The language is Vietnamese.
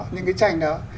những cái tranh đó